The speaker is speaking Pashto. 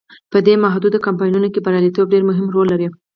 په دې محدودو کمپاینونو کې بریالیتوب ډیر مهم رول لري.